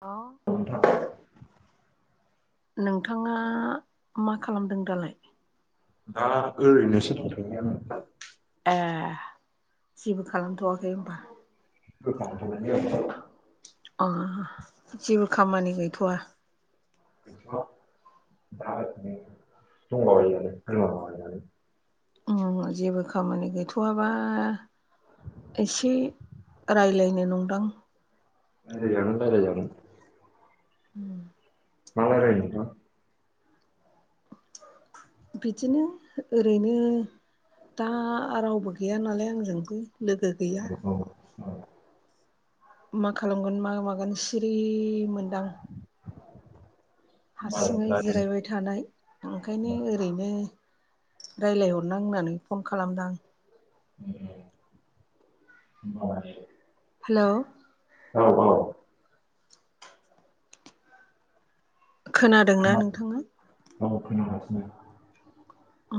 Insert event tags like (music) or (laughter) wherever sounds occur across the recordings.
ल' (inaudible) नोंथाङा मा खालामदों दालाय दा ओरैनोसो दंथयो आं ए जेबो खालामथ'वाखै होनोमबा (unintelligible) अ जेबो खामानि गैथ'वा? (inaudible) उ जेबो खामानि गैथ'वाबा एसे रायज्लायनो नंदां रायलाय जागोन रायलाय जागोन उम मा रायलायनो नोंथां बिदिनो ओरैनो दा रावबो गैया नालाय आंजों लोगो गैया नोंथां औ मा खालामगोन मा मागोन सिरि मोनदां। हारसिङै होमबा जिरायबाय थानाय ओंखायनो ओ रैनो रायज्लायहरनां होननानै फन खालामदां। (unintelligible) हेल' औ खोनादोंना नोंथाङा? औ खोनागासिनो अ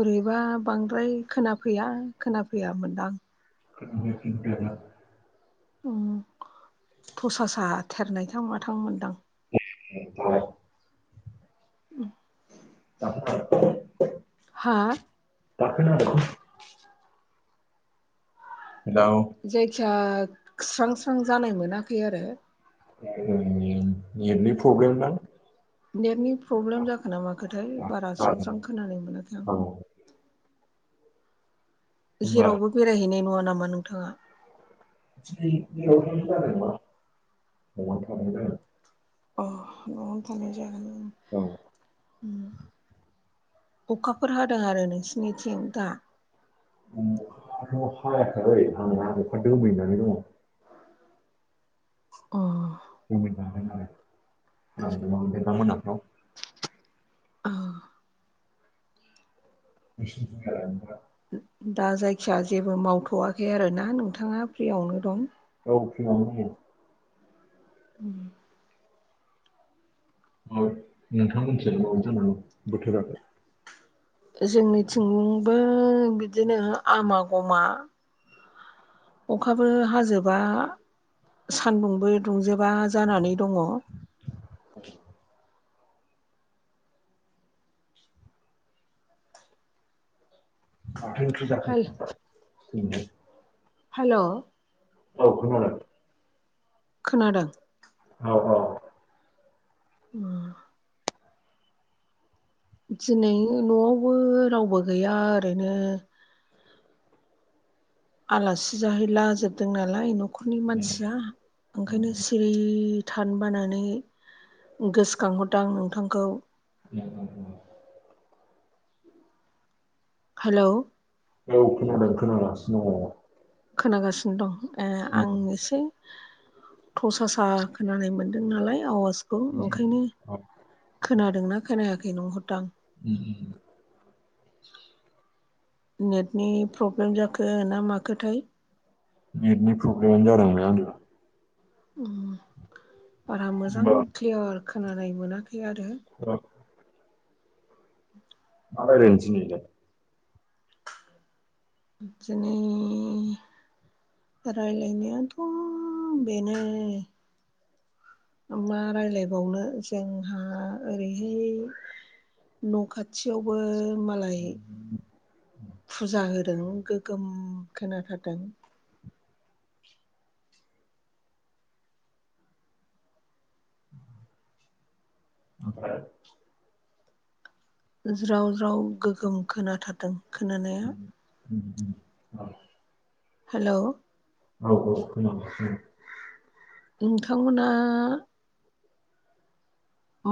बोरैबा बांद्राय खोनाफैया खोनाफैया मोनदां। (inaudible) थसासा थेरनाय थां माथां मोनदां (unintelligible) उ (inaudible) हेल' जायखिया स्रां स्रां जानाय मोनाखै आरो उ ने-नेटनि प्रब्लेम दा नेटनि प्रब्लेम जाखो नामाखोथाय बारा स्रां स्रां खोनानो मोनाखै औ आं होमबा जेरावबो बेरायहैनाय नङा नामा नोंथाङा दिनै दैयावथ जानाय नङा न'आव थां अ न'आवनो थांनाय जागोन औ उ अखाफोर हादों आरो नोंसिनिथिं दा अखाथ' हायाखालै हाहां अखा दोमैनानै दङ। अ (inaudible) अ (inaudible) दा जायखिया जेबो मावथ'आखै आरोना नोंथाङा फ्रियावनो दं। ओ फ्रियावनो दङो। उ औ नोंथां बुंसोदो माबा जानांगौ बोथोरा, जोंनिबो बिदिनो आमा ग'मा। अखाबो हाजोबा सान्दुंबो दुंजोबा जानानै दङ। द माथो ओंख्रि जाखो? हेल' भिन्दि, हेलौ! औ खोनादों। खोनादों। औ औ उम। दिनै न'आवबो रावबो गैया ओरैनो, आलासि जाहैलाजोबदों नालाय न'खरनि ए मानसिया। ओंखायनो सिरि थानो बानानै गोसोखांहरदों आं नोंथांखौ। ग हेलौ! औ खोनादों खोनालागासिनो दङ। खोनागासिनो दं ए आं एसे। थ'सासा खोनानाय मोन्दों नालाय आवाजखौ ओंखायनो। औ खोनादोंना खोनायाखै नुहरदों आं। (unintelligible) नेटनि प्रब्लेम जाखो माखोथाय। नेटनि प्रब्लेमानो जादोंलै आंनिबा। उम बारा मोजां होमबा क्लियार खोनानाय मोनाखै आरो औ मा रायलायनो दिनैलाय? बिदिनो। रायलायनायाथ' बेनो। मा रायलायबावनो जोंहा ओरैहाय न' खाथ खाथियावबो मालाय। फुजा होदों गोगोम खोनाथारदों। ओमफ्राय ज्राव ज्राव गोगोम खोनाथारदों खोनानाया। ओमफ्राय हेलौ! औ औ खोनादों उम। नोंथांमोना।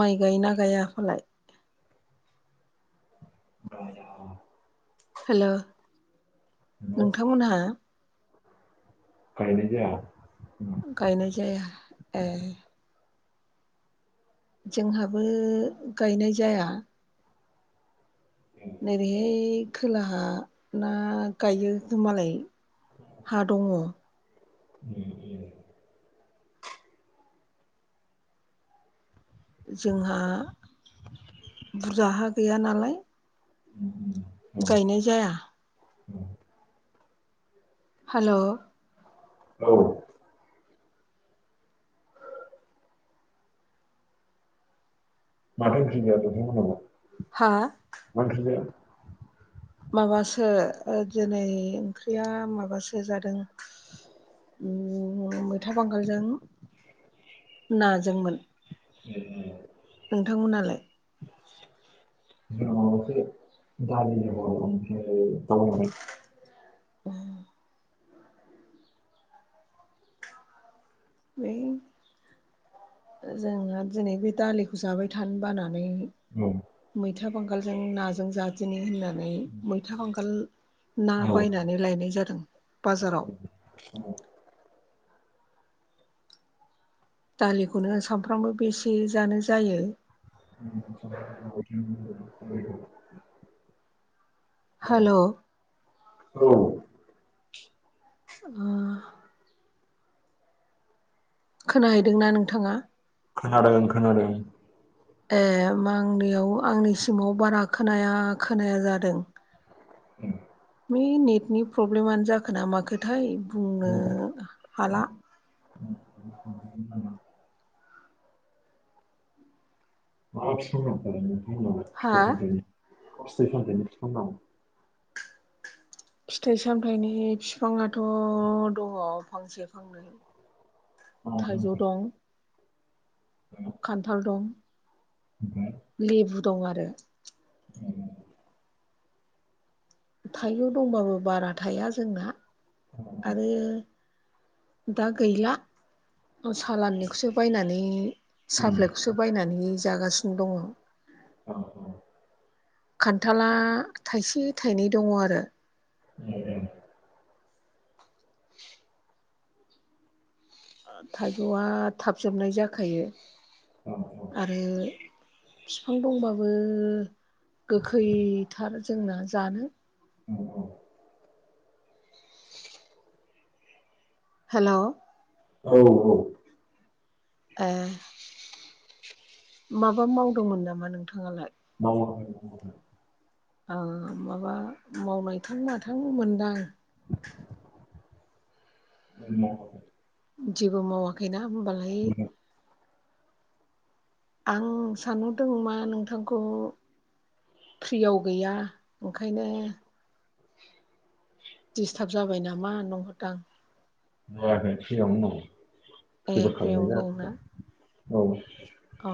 माइ गायोना गाया फालाय। औ हेलौ हेलौ नोंथांमोनहा। गायनाय जाया। गायनाय जाया ओ जोंहाबो गायनाय जाया। ए नेरैहै खोलाहा ना गायो मालाय। हा दङ। बि जोंहा बुरजा हा गैया नालाय। म गायनाय जाया। उम हेल' औ माथो ओंख्रि जाया (unintelligible) हा मा ओंख्रि जाया? माबासो दिनै ओंख्रिया माबासो जादों। उम मैथा बांगालजों नाजोंमोन। उम हम नोंथांमोनहालाय? जोंना माबासो दालि जल (unintelligible) उम बे जोंहा दिनै बे दालिखौ जाबाय थानो बानानै औ मैथा बांगालजों नाजों जादेनि होननानै मैथा बांगाल ना औ बायनानै नानै लायनाय जादों बाजाराव। औ दालिखौनो सानफ्रामबो बेसे जानो जायो। (unintelligible) हेल' औ अ खोनाहैदोंना नोंथाङा? खोनादों खोनादों। ए ओमबा आं बेयाव आंनिसिमाव बारा खोनाया खोनाया जादों। उम बे नेटनि प्रब्लेमानो जाखो ना माखोथाय बुंनो हाला। माबा (unintelligible) हा फिथाइ सामथाइनि फिफां दं फिथाइ सामथाइनि बिफाङाथ' दङ फांसे फांनै जायाखै सिगाङावनो मावो थाजौ दं उम खान्थाल दं। ओमफ्राय लेबु दं आरो। थाइजौ दंबाबो बारा थाया जोंना। आरो दा गैला सालाननिखौसो बायनानै साप्लाइखौसो खो बायनानै जागासिनो दङ। औ औ खान्थाला थाइसे थाइनै दङ आरो। उम उम (inaudible) थाइजौआ थाब जोबनाय जाखायो। औ आरो बिफां दंबाबो गोखैथार। जोंना जानो औ औ हेल' औ औ ए माबा मावदोंमोन नामा नोंथाङालाय? (unintelligible) माबा मावनायथां माथां मोनदां आं। (unintelligible) जेबो मावाखैना होमबालाय आं साननो दङ मा नोंथांखौ फ्रियाव गैया ओंखायनो (unintelligible) डिस्टार्ब जाबाय नामा नोंहरदांं जाखै सिगांवनो औ ए जेबो फ्रियावनो खालामनाय जाखै औ औ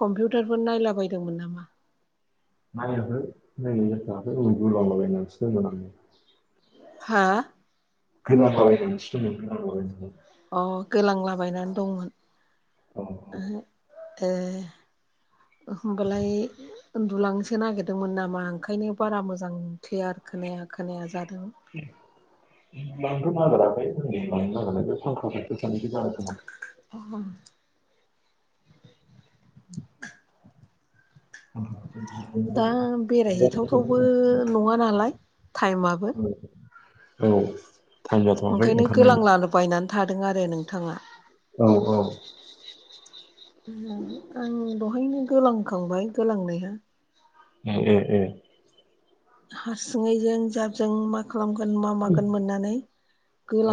कम्पिउटारफोर नायला बदोंमोन नामा (unintelligible) (unintelligible) (unintelligible) अ गोलांलाबायनानै दंमोन औ (unintelligible) उन्दुलांनोसो नागिरदोंमोन नामा ओंखायनो बारा मोजां (unintelligible) आरो खोनाया खोनाया जादों लांथ नागिराखै लांनो नागिरनाय बे फांखा फट सस जानो खोमा उम फांखा खाथियाव जिरायना दा बेरायहैथावथावबो दंमोन नङा नालाय टाइमाबो औ टाइम जाथ'वाखै ओंखायनो ओंखारनायनि गोलांला बायनानै थादों आरो नोंथाङा औ औ आं दहायनो गोलांखांबाय गोलांनाया (unintelligible) (unintelligible) खालामगोन मा मागोन मोननानै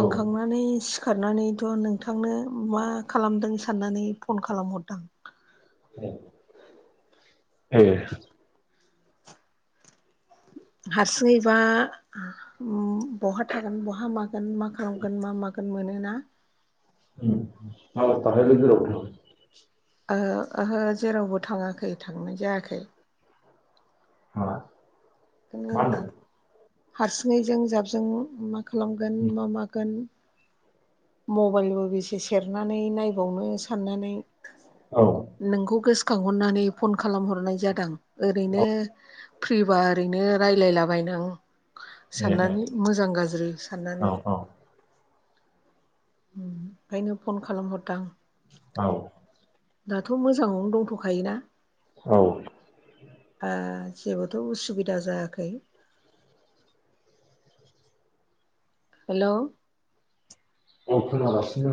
औ सिखारनानैथ' नोंथांनो मा खालामदों साननानै फन खालामहरदां (unintelligible) हारसिङैबा बहा थागोन बहा मागोन मा खालामगोन मा मागोन मोनना (unintelligible) ओहो जेरावबो थाङाखै थांनाय जायाखै हा बिदिनो हारसिङैजों जाबजों मा खालामगोन मा मागोन मबाइलबो बेसे सेरनानै नायबावनो साननानै औ नोंखौ गोसोखांहरनानै फन खालामहरनाय जादों औ ओरैनो फ्रिबा रायजलायलाबायनो आं ए ए साननानै मोजां गाज्रि औ साननानै औ ओंखायनो फन खालामहरदों आं औ दाथ' मोजाङावनो दंथ'खायोना औ जेबोथ' उसुबिदा जायाखै हेलौ औ खोनागासिनो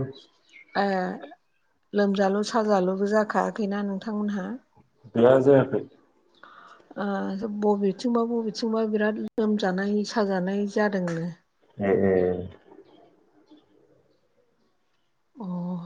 लोमजाल' साजाल'बो जाखायाखैना नोंथांमोनहा गैला जायाखै। (unintelligible) बबेथिंबा बबेथिंबा बिराद लोमजानाय साजानाय जादोंनो (unintelligible) अ